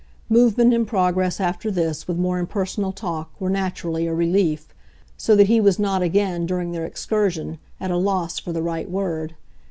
Movement and progress, after this, with more impersonal talk, were naturally a relief; so that he was not again, during their excursion, at a loss for the right word.